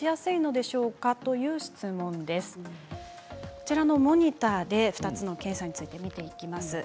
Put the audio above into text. こちらのモニターで２つの検査について見ていきます。